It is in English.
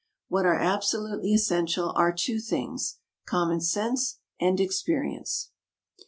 What are absolutely essential are two things common sense and experience.